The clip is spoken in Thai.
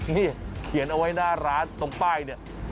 นี่เขียนเอาไว้หน้าร้านตรงป้ายเนี่ย